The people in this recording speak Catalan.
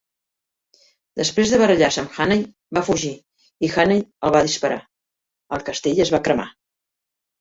Després de barallar-se amb Hannay, va fugir i Hannay el va disparar; el castell es va cremar.